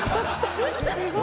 すごい。